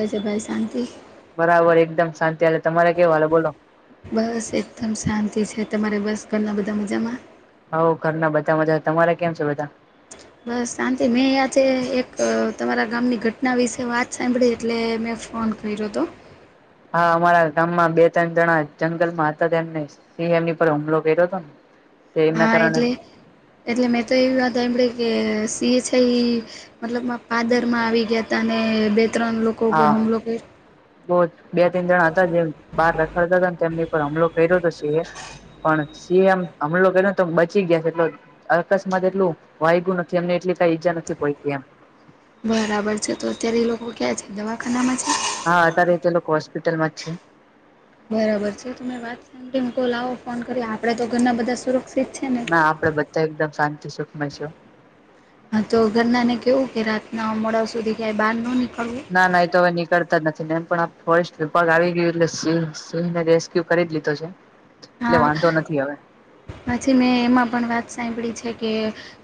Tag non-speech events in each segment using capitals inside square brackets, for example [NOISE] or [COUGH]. વેસે ભાઈ શાંતિ. બરાબર એકદમ શાંતિ હાલે તમારે કેવુ હાલે બોલો. બસ એકદમ શાંતિ છે, તમારે બસ ઘરણા બધા મજામાં. હોવ ઘરના બધા મજા તમારે કેમ છે બધા? બસ શાંતિ મેં આજે એક તમારા ગામની ઘટના વિશે વાત સાંભળી એટલે મેં ફોન કર્યો તો. હા, અમારા ગામમાં બે ત્રણ જણા જંગલમાં હતા, તેમ ને સિંહે એમની પર હુમલો કર્યો હતો ને, તે એમના હા, કારણે એટલે એટલે મેં તો એવી વાત હાયંભરી કે સીએ છે ઈ મતલબમાં પાદર માં આવી ગયાતા ને બે ત્રણ લોકો ઉપર હુમલો કર્યો. બોન ત્રન જણા હતા જેમ બહાર રખડતા હતા, તેમની પર હમલો કર્યો હતો સિંહએ પણ સિંહએ એમ હમલો કયરો તો બચી ગયા તો અકસ્માત એટલું વાયગું નથી એમને એટલી કઈ ઈજા નથી પોયચી એમ. બરાબર છે, તો અત્યારે એ લોકો ક્યાં છે દવાખાનામાં છે. હા અત્યારે તે લોકો હોસ્પિટલમાં જ છે. બરાબર છે તમે વાત સાંભળી કે લાવો ફોન કરી આપડા તો ઘરના બધા સુરક્ષિત છે ને ના આપડે બધા એકદમ શાંતિ સુખમય છો. હા તો ઘરના ને કેવું કે રાતના મોડા સુધી કઈ બહાર ન નીકળવું. ના ના એ તો હવે નીકળતા જ નથી ને એમ પણ આ ફોરેસ્ટ વિભાગ આવી ગયું એટલે સિંહ સિંહને [UNINTELLIGIBLE] કરી જ લીધો છે એટલે હા વાંધો નથી હવે. પછી મેં એમાં પણ વાત સાંભળી છે, કે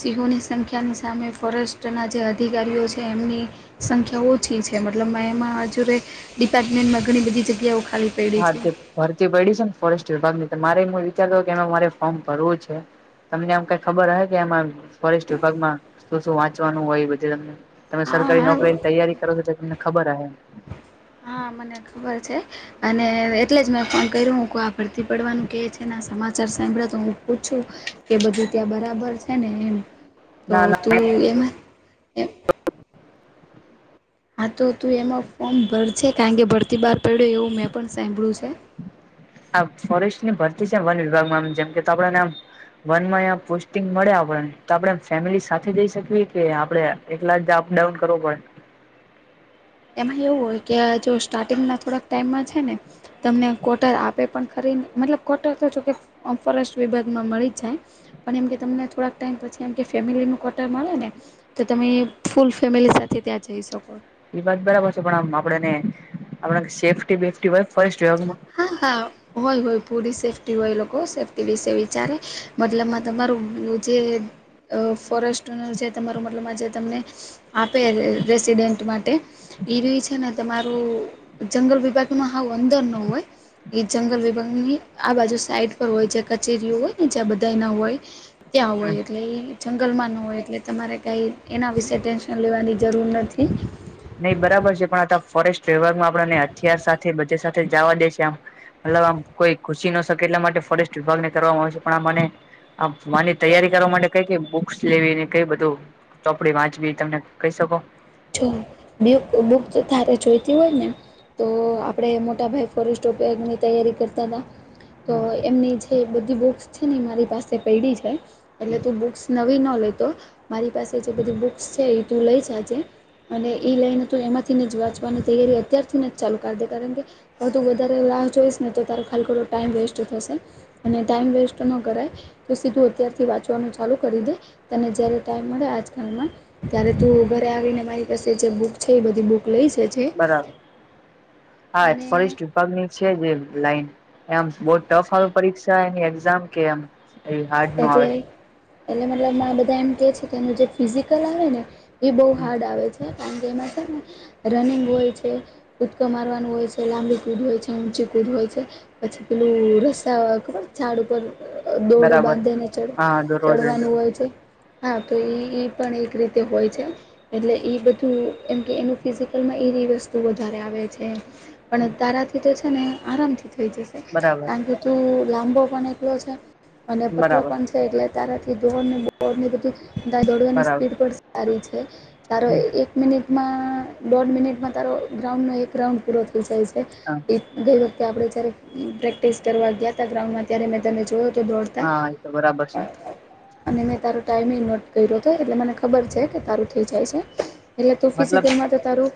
સિંહોની સંખ્યાની સામે ફોરેસ્ટના જે અધિકારીઓ છે, એમની સંખ્યા ઓછી છે, મતલબ એમાં હજુરે ડિપાર્ટમેન્ટમાં ઘણી બધી જગ્યાઓ ખાલી પડી હા છે તે ભરતી પયડી છે ને, ફોરેસ્ટ વિભાગ ને તો મારે હું વિચારતો કેમાં મારે ફોર્મ ભરવું છે. તમને આમ કઈ ખબર હહે કે આમાં ફોરેસ્ટ વિભાગમાં શું શું વાંચવાનું હોય એ બધું એમને તમે હા સરકારી હા નોકરીની તૈયારી કરો છો તો તમને ખબર હ હે. હા મને ખબર છે, અને એટલે જ મેં ફોન કર્યો હું આપ ભરતી પડવાનું કે છે ના સમા [UNINTELLIGIBLE] સાંભળા તો હું પૂછું કે બધું ત્યાં બરાબર છે ને એમ. તો ના ના તું એમાં એ હા તો તું એમાં ફોર્મ ભરજે કારણ કે ભરતી બહાર પડ્યો એવું મેં પણ સાંભળ્યું છે.. આ ફોરેસ્ટ ની ભરતી છે, વન વિભાગમાંમ જેમ કે આપણાને આમ વન માં પોસ્ટિંગ મળ્યા તો આપડે ફેમિલી સાથે જઈ શકીએ, કે આપડે એટલા જ અપડાઉન કરવુ પડે? એમાં એવું હોય કે જો સ્ટાર્ટિંગ ના થોડાક ટાઈમમાં છે ને, તમને કોટર આપે પણ ખરી મતલબ કોટર તો જોકે ઓમ ફોરેસ્ટ વિભાગ માં મળી જાય. પણ એમ કે તમને થોડાક ટાઈમ પછી એમ કે ફેમિલીનું કોટર મળે ને તો તમે ફૂલ ફેમિલી સાથે ત્યાં જઈ શકો. એ વાત બરાબર છે. પણ આમ આપડેને આપડે સેફ્ટી બેફીટી [UNINTELLIGIBLE] હા હા. હોય હોય પૂરી સેફ્ટી હોય લોકો સેફ્ટી વિશે વિચારે મતલબમાં તમારું જે અ ફોરેસ્ટ ઓનર જે તમારો મતલબ આ જે તમને આપે [UNINTELLIGIBLE] માટે એરયુ એ છે ને તમારો છે ને તમારું જંગલ વિભાગ મા હાવ અંદર ન હોય. એ જંગલ વિભાગની આ બાજુ સાઈડ પર હોય છે કચેરીઓ હોય ને જ્યાં બધા ના હોય ત્યાં હમ હોય એટલે એ જંગલમાં ન હોય એટલે તમારે કંઈ એના વિશે ટેન લેવાની જરૂર નથી. નઈ બરાબર છે પણ આ તો ફોરેસ્ટ વિભાગમાં આપડાને હથિયાર સાથે બધે સાથે જાવા દે છે આમ મતલબ આમ કોઈ ખુશી ન શકે એટલા માટે ફોરેસ્ટ વિભાગ ને કરવામાં આવશે પણ આ મને આ માની તૈયારી કરવા માટે કઈ કઈ બુક્સ લેવીને કઈ બધું ચોપડી વાંચવી તમને કઈ શકો? જો બેવ બુક તારે જોઈ હોય ને તો આપણે મોટાભાઈ ફોરેસ્ટ ઉપયોગની તૈયારી કરતા હતા. તો એમની જે બધી બુક્સ છે ને મારી પાસે પયડી છે. એટલે તું બુક્સ નવી ન લેતો મારી પાસે જે બધી બુક્સ છે એ તું લઈ જા જે. અને એ લઈને તો એમાંથીને જ વાંચવાની તૈયારી અત્યારથીને જ ચાલુ કરી દે કારણ કે [UNINTELLIGIBLE] વધારે રાહ જોઈશ ને તો તારો ખાલી ખોટો ટાઈમ વેસ્ટ થશે. અને ટાઈમ વેસ્ટ ન કરાય તો સીધું અત્યારથી વાંચવાનું ચાલુ કરી દે તને જયારે ટાઈમ મળે આજકાલમાં ત્યારે તું ઘરે આવી ને મારી પાછે જે બુક છે એ બધી બુક લઈ છે. બરાબર હા અને ફોરેસ્ટ વિભાગની છે જે લાઈન એમ બો ટફ આવે પરીક્ષા એની એક્ઝામ કે એમ. એ હાર્ડ નો એટલે આવે એટલે મતલબ માં બધા એમ કે છે કે એનું જે ફિઝિકલ આવેને એ બો હાર્ડ આવે છે. કારણ કે એમાં છે ને રનિંગ હોય છે. કૂદકો મારવાનું હોય છે, લાંબી કૂદ હોય છે, ઊંચી કૂદ હોય છે. પછી પેલું રસતા ખબર ઝાડ ઉપર દોડ બા બરાબર હા દરોડ ચડવાનું હોય છે. હા તો ઈ એ પણ એક રીતે હોય છે. એટલે એ બધું એમ કે એનું ફિઝિકલમાં એવી વસ્તુ વધારે આવે છે. પણ તારાથી તો છે ને આરામથી થઈ જશે. બરાબર કારણ કે તું લાંબો પણ એટલો છે અને પતલો બરાબર પણ છે એટલે તારાથી દોડને દોડને બધું તારી દોડવાની બરાબર સ્પીડ પણ સારી છે. તારો હમ એક મિનિટમાં દોઢ મિનિટમાં તારો ગ્રાઉન્ડનો એક રાઉન્ડ પૂરો થઈ જાય છે. [UNINTELLIGIBLE] ગઈ વખતે આપણે જયારે પ્રેક્ટિસ કરવા ગયા હતા ગ્રાઉન્ડમાં ત્યારે મેં તને જોયો તો દોડ હા આતો બરાબર છે. અને મેં તારો ટાઈમિ નોટ કર્યો હતો એટલે મને ખબર છે. કે તારું થઈ જાય છે. એટલે ટોકી મતલબ સીજ મા તો તારું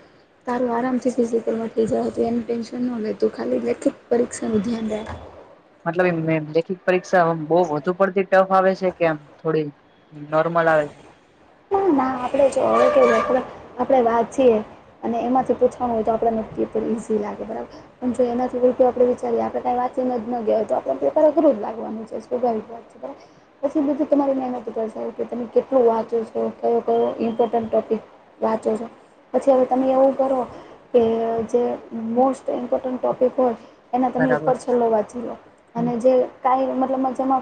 તારું આરામથી ફિઝિકલ માં થઈ [UNINTELLIGIBLE] એનો ટેન્શન ન લેતું ખાલી લેખિત પરીક્ષા નું ધ્યાન દેવા મતલબ એમ લેખિક પરીક્ષા બો વધું પડતી ટફ આવે છે. કેમ થોડી નોર્મલ આવે છે. ના ના આપણેે જો [UNINTELLIGIBLE] કે આપણેે વાંચીએ. અને એમાંથી પૂછવાનું હોય તો આપણે નક્કીએ પણ ઇઝી લાગે બરાબર. પણ જો એનાથી હોલ તો આપણે વિચારીએ આપણે કાઈ તો આપણે પેપર અઘરું લાગવાનું છે. સ્વભાવિક [UNINTELLIGIBLE] તમારી મહેનત કરશે. કે તમે કેટલો વાંચો છો કયો કયો ઇમ્પોર્ટન્ટ ટોપિક વાંચો છો પછી અવે તમે એવું કરો કે જે મોસ્ટ ઇમ્પોર્ટન્ટ ટોપિક હોય એના તમે બરાબર ઉપર છેલ્લો વાંચી લો હમ અને જે આઈ મતલબ જેમાં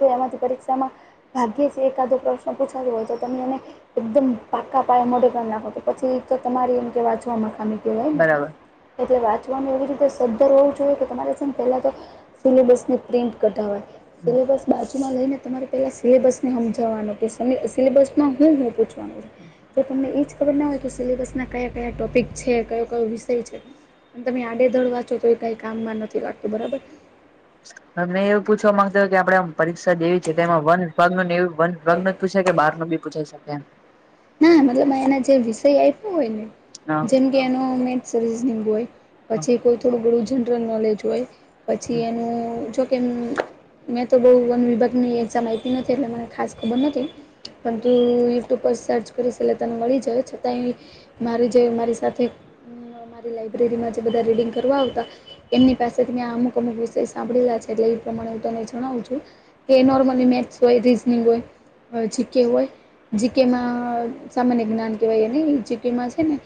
જે એમાંથી પરીક્ષા તેમાં ભાગ્યે છે [UNINTELLIGIBLE] પ્રશ્નો પૂછાતતો હોય તો તમને એને એકદમ પાકા પાાયે મોઢે પણ નાખો તો પછી તો તમારી એમ કે વાચવામાં ખામી- કહેવાય ને બરાબર. એટલે વાંચવાનું એવી રીતે સદ્ધર હોવું જોઈએ કે તમારે છે પહેલા તો સિલેબસ ની પ્રિન્ટ કઢાવાની સિલેબસ બાજુમાં લઈને તમારે પહેલાં સિલેબસને સમજાવવાનું કે સિલેબસમાં હું હું પૂછવાનું તો તમને એ જ ખબર ના હોય કે સિલેબસના કયા કયા ટૉપિક છે કયો કયો વિષય છે? અને તમે આડેધડ વાંચો તો એ કઈ કામમાં નથી લાગતું બરાબર. હમે એવું પૂછવા માંગતા કે આપડે આમ પરીક્ષા દેવી છે તે એમાં વન વિભાગ ન એ વન વિભાગ ન પૂછાય કે બાર નો બી પૂછાય શકે એમ. ના મતલબ અના જે વિષય આપ્યો હોય ને હા જેમ એનું મેથ રીજનિંગ હોય પછી કોઈ થોડું થોડું જનરલ નોલેજ હોય. પછી એનું જોકે મેં તો બહું વન વીભાગ ની એક્ઝામ આપી નથી એટલે મને ખાસ ખબર નથી. પણ તું યુટ્યુબ પર સર્ચ કરીશ એટલે તને મળી જાય છતાંય મારી જે મારી સાથે મારી લાઈબ્રેરીમાં જે બધા રીડિંગ કરવા આવતા એમની પાસેથીં અમુક અમુક વિષય સાંભળેલા છે એટલે એ પ્રમાણે હું તને જણાવું છું. કે નોર્મલી મેથ્સ હોય રીઝનિંગ હોય જીકે હોય જીકેમાં સામાન્ય જ્ઞાન કહેવાય એ નને એ જીકેમાં છે ને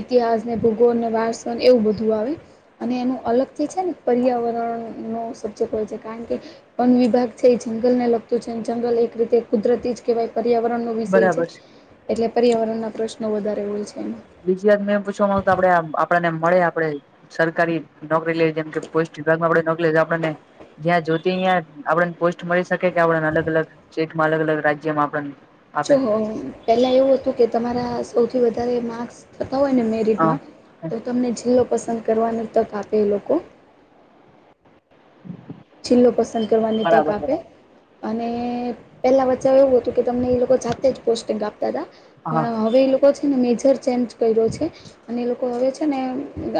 ઇતિહાસ ને ભૂગોળ ને વારસન એવું બધું આવે. અને એનું અલગ થિ છે ને પર્યાવરણનો સબ્જેક્ટ હોય છે કારણ કે વન વિભાગ છે એ જંગલ ને લગતું છે જંગલ એક રીતે કુદરતી જ કહેવાય પર્યાવરણનો વિષય છે. એટલે પર્યાવરણ ના પ્રશ્નો વધારે હોય છે એમાં. બીજી વાત મેં પૂછવા માં આવતા આપડે આપડને મળે આપણે સરકારી નોકરી લેવી જેમ કે પોસ્ટ વિભાગમાં આપડે નોકરી આપને જ્યાં જોતી યા આપડા પોસ્ટ મળી શકે કે આપણને અલગ અલગ સ્ટેટમાં અલગ અલગ રાજ્યમાં આપણને આપે જો પહેલા એવું હતું કે તમારા સૌથી વધારે માર્ક્સ થતા હોય ને મે હા તો તમને જીલ્લો પસંદ કરવાની તક આપે એ લોકો. જીલ્લો પસંદ કરવાની તક બરાબર આપે. બરાબર અને પહેલાં વચ્ચે એવું હતું કે તમને એ લોકો જાતે જ પોસ્ટિંગ આપતા હતા. હા પણ હવે એ લોકો છે ને મેજર ચેન્જ કર્યો છે. અને એ લોકો હવે છે ને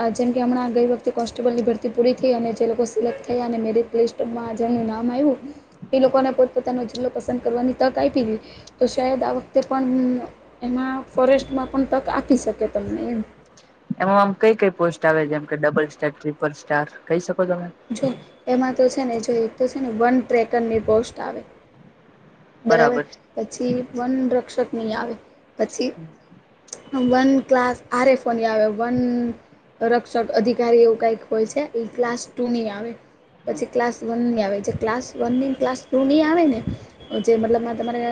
આ જેમ કે હમણાં ગઈ વખતે કોન્સ્ટેબલની ભરતી પૂરી થઈ અને જે લોકો સિલેક્ટ થયા અને મેરટ લિસ્ટમાં જેનું નામ આવ્યું એ લોકોને પોતપોતાનો જિલ્લો પસંદ કરવાની તક આયપી હે તો શાયદ આ વખતે પણ એમાં ફોરેસ્ટમાં પણ તક આપી શકે તમને એમ એમાં આમ કઈ કઈ પોસ્ટ આવે જેમ કે ડબલ સ્ટાર ટ્રીિપલ સ્ટાર કહી શકો તમે. જો એમાં તો છે ને જો એક તો છે ને વન ટ્રેકરની પોસ્ટ આવે. બરાબર પછી વન રક્ષક ની આવે પછી વન ક્લાસ આરે ફોન આવે વન. રક્ષક અધિકારી એવું કઈક હોય છે એ ક્લાસ ટુ ની આવે. પછી ક્લાસ વન ની આવે જે ક્લાસ વન ની ક્લાસ ટુ ની આવે ને જે મતલબ તમારે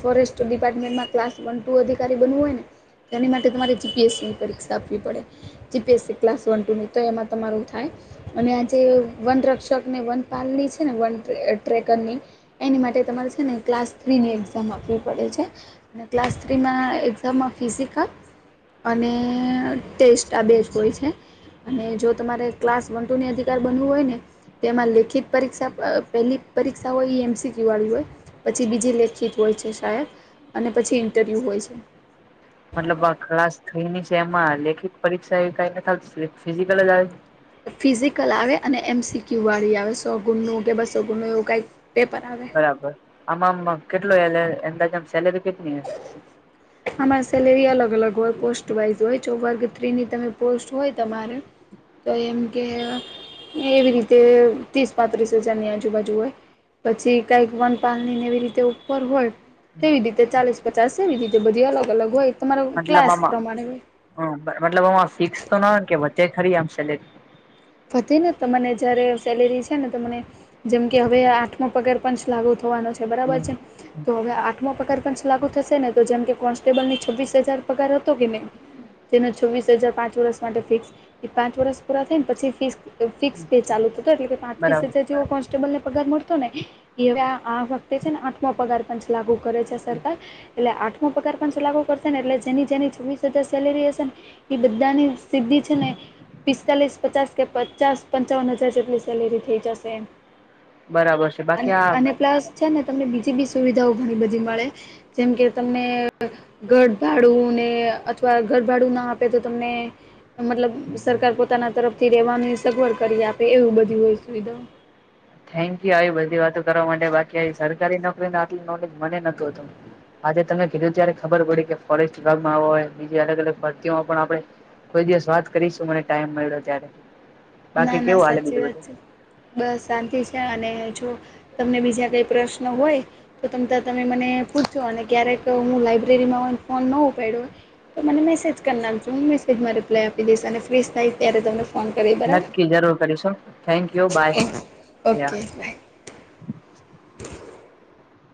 ફોરેસ્ટ ડિપાર્ટમેન્ટમાં ક્લાસ વન ટુ અધિકારી બનવું હોય ને. તેની માટે તમારે જીપીએસસીની પરીક્ષા આપવી પડે. જીપીએસસી ક્લાસ વન ટુની તો એમાં તમારું થાય. અને આજે વન રક્ષક ને વન પાલણી છે ને વન ટ્રેકર ની એની માટે તમારે છે ને ક્લાસ થ્રીની એક્ઝામ આપવી પડે છે. અને ક્લાસ થ્રીમાં એક્ઝામમાં ફિઝિક અને ટેસ્ટ આ બેસ્ટ હોય છે. અને જો તમારે ક્લાસ વન ટુને અધિકાર બનવું હોય ને તેમાં લેખિત પરીક્ષા [UNINTELLIGIBLE] પહેલી પરીક્ષા હોય એ એમસીટી્યુ આવી જાય. પછી બીજી લેખિત હોય છે શાયદ અને પછી ઇન્ટરવ્યુ હોય છે. મતલબ આ ક્લાસ થઈની છે એમાં લેખિત પરીક્ષા એવી કઈ ફિઝિકલ જ આવે. ફિઝિકલ આવે અને એમસીક્યુ વાળી આવે સો ગુણ નું કે બસો ગુણ નું એવું કઈક પેપર આવે. બરાબર આમ કેટલો એ અંદાજમાં સેલેરી કેટલી. આમા સેલેરી અલગ અલગ હોય પોસ્ટ વાઈઝ હોય ચર્ગ થ્રીની તમે પોસ્ટ હોય તમારે. તો એમ કે એવી રીતે ત્રીસ પાંત્રીસ હજારની આજુબાજુ હોય. પછી કઈક વન પાલણી ને એવી રીતે ઉપર હોય તેવી રીતે ચાલીસ પચાસ એવી રી જે બધી અલગ અલગ હોય. તમારો મતલબ ક્લાસ પ્રમાણે હોય આમાં મતલબ આ ફિક્સ તો ના કે વચ્ચે ખરી આમ સેલેક્ટ વધે ને તમાને જયારે સેલેરી છે ને તને જેમ કે હવે આઠમો પગાર પંચ લાગુ થવાનો છે બરાબર છે. તો હવે આઠમો પગાર પંચ લાગુ થશે ને તો જેમ કે કોન્સ્ટેબલ છવ્વીસ હજાર પગાર હતો કે નહી. જેને છવ્વીસ હજાર પાંચ વર્ષ માટે ફિક્સ એ પાંચ વર્ષ પૂરા થાય ને પછી ફિક્સ ફિક્સ પે ચાલુતો હતો એટ કે પાંત્રીસ હજાર બરાબર જેવો પહચ. ને પગાર મળતો ને એ આ વખતે છે ને આઠમાો પગાર પં લાગુ કરે છે સરકાર એટલે આઠમો પગાર પણ શ લાગુ કરશે ને એટલે જેની જેની છ્વીસ હજાર સેલેરી હશે ને. એ બધાની સિદ્ધિ છે ને પિસ્તાલીસ પચાસ કે પચાસ પંચાવન હજાર જેટલી સેલેરી થઈ જશે એમ. બરાબર છે બાકી આ અને પ્લસ છે ને તમને બીજી બી સુવિધાઓ ઘણી બધી મળે. જેમ કે તમને ગરભાડું ને અથવા ગરભાડું ના આપે તો તમને મતલબ સરકાર પોતાના તરફથી રેવાની સગવડ કરી આપે એવું બધી હોય સુવિધા. થેન્ક યુ આવી બધી વાતો કરવા માટે બાકી આવી સરકારી નોકરીને આટલું નોલેજ મને નહતું હતું. આજે તમે કીધું ત્યારે ખબર પડી કે ફોરેસ્ટ વિભાગ માં આવય બીજી અલગ અલગ ભરતીઓમાં પણ આપડે કોઈ દિવસ વાત કરીશું મને ટાઈમ મળ્યો ત્યારે ના બાકી ના કેવું હાલે સાચી બીજું વાત બધું. છે. બસ શાંતિ છે અને જો તમને બીજા કઈ પ્રશ્ન હોય. તો ત તમે મને પૂછો અને ક્યારેક હું લાઈબ્રેરીમાં કો ફોન ન ઉપાડ્યોય. તો મને મેસેજ કરનાર છું હું મેસેજમાં રિપ્લાય આપી દઈશ અને ફ્રી થઈશ ત્યારે તમને ફોન કરી બરાબર. નક્કી જરૂર કરીશું થેન્ક યુ બાય યા. Okay by. [UNINTELLIGIBLE]